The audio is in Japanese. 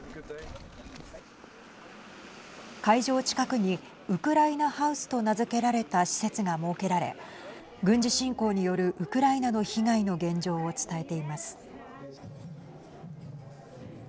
会場近くにウクライナ・ハウスと名付けられた施設が設けられ軍事侵攻によるウクライナの被害の現状を伝えています。